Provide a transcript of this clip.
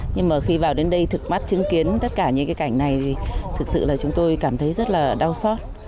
nhưng mà khi vào đến đây thực mắt chứng kiến tất cả những cái cảnh này thì thực sự là chúng tôi cảm thấy rất là đau xót